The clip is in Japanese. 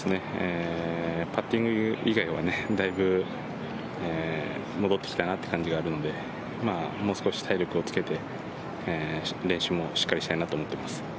パッティング以外はだいぶ戻ってきたなという感じがあるので、もう少し体力をつけて、練習もしっかりしたいなと思っています。